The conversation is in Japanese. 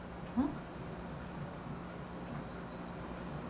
うん。